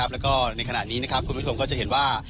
แล้วก็ในขณะนี้คุณผู้ชมก็จะเห็นว่า